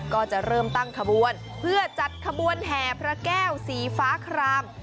ก็จะเริ่มตั้งขบวนเพื่อจัดขบวนแห่พระแก้วสีฟ้าคราม